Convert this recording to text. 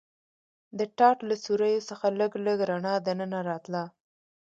د ټاټ له سوریو څخه لږ لږ رڼا دننه راتله.